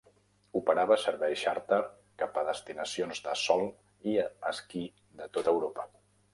Operava serveis xàrter cap a destinacions de sol i esquí de tota Europa.